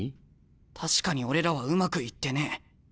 確かに俺らはうまくいってねえ。